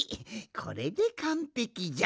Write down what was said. これでかんぺきじゃ。